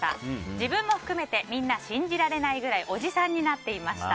自分も含めてみんな信じられないくらいおじさんになっていました。